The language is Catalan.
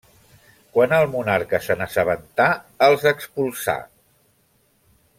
Quan el monarca se n'assabentà els expulsà.